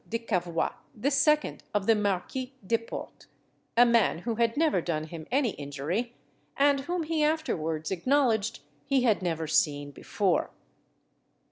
de Cavois, the second of the Marquis des Portes, a man who had never done him any injury, and whom he afterwards acknowledged he had never seen before.